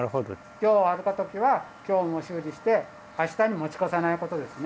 今日悪い時は今日修理して明日に持ち越さないことですね。